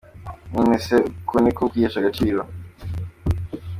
None se uko niko kwihesha agaciro?